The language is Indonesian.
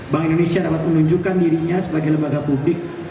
bank indonesia dapat menunjukkan dirinya sebagai lembaga publik